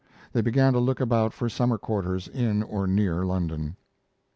They began to look about for summer quarters in or near London.